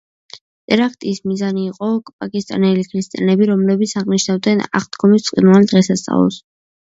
ტერაქტის მიზანი იყო პაკისტანელი ქრისტიანები, რომლებიც აღნიშნავდნენ აღდგომის ბრწყინვალე დღესასწაულს.